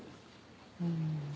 うん。